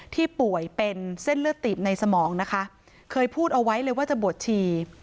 ป่วยเป็นเส้นเลือดตีบในสมองนะคะเคยพูดเอาไว้เลยว่าจะบวชชี